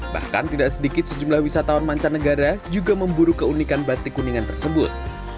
bahkan tidak sedikit sejumlah wisatawan mancanegara juga memburu keunikan batik kuningan tersebut